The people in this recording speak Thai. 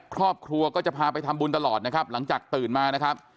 ครอบครัวก็จะพาไปทำบุญตลอดนะครับหลังจากตื่นมานะครับ